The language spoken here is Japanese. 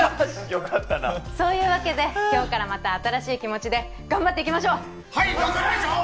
よかったなそういうわけで今日からまた新しい気持ちで頑張っていきましょうはい頑張りましょう！